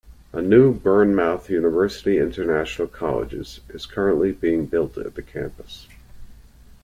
A new Bournemouth University International College is currently being built at the campus.